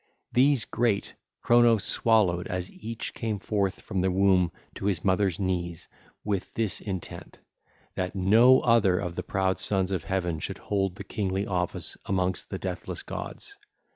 These great Cronos swallowed as each came forth from the womb to his mother's knees with this intent, that no other of the proud sons of Heaven should hold the kingly office amongst the deathless gods.